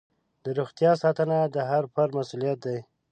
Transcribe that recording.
د روغتیا ساتنه د هر فرد مسؤلیت دی.